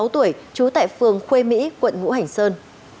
một mươi sáu tuổi trú tại phường khuê mỹ quận ngũ hành sơn